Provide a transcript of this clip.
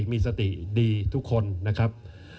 มีสติดีทุกคนนะครับ